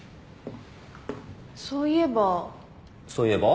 そういえば。